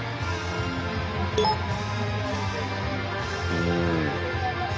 うん。